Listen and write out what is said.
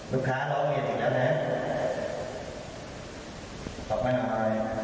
ลูกค้าลองเหนียดอีกแล้วนะ